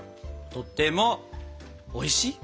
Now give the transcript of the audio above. とてもおいしい？